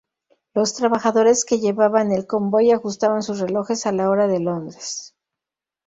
Los trabajadores que llevaban el convoy ajustaban sus relojes a la hora de Londres.